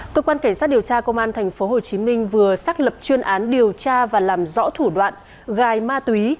cơ quan cảnh sát điều tra công an tp hcm vừa xác lập chuyên án điều tra và làm rõ thủ đoạn gài ma túy